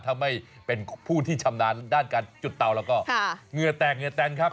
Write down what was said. ถ้าไม่เป็นผู้ที่ชำนาญด้านการจุดเตาแล้วก็เหงื่อแตกเหงื่อแตนครับ